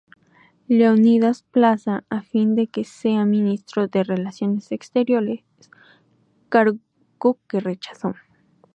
Leónidas Plaza a fin de que sea Ministro de Relaciones Exteriores, cargo que rechazó.